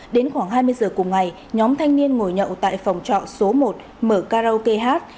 đến khoảng hai mươi giờ cùng ngày nhóm thanh niên ngồi nhậu tại phòng trọ số một mở karaoke hát